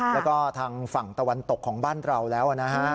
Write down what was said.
แล้วก็ทางฝั่งตะวันตกของบ้านเราแล้วนะฮะ